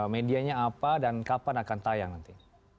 medianya apa dan kapan akan tayang nanti